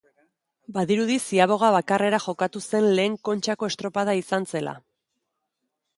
Badirudi ziaboga bakarrera jokatu zen lehen Kontxako estropada izan zela.